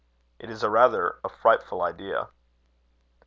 It is rather a frightful idea."